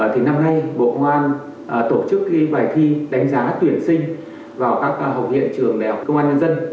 thì năm nay bộ công an tổ chức cái bài thi đánh giá tuyển sinh vào các học hiện trường đèo công an nhân dân